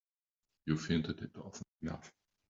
You've hinted it often enough.